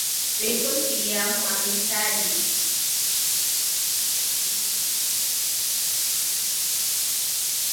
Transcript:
ripoti ya uhamasishaji wa vikosi na harakati za misafara mikubwa ya makundi yenye silaha ambayo yameongeza